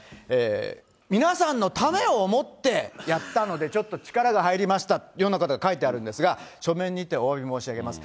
皆さんのためを思ってやったので、ちょっと力が入りましたというような書いてあるんですが、書面にておわび申し上げます。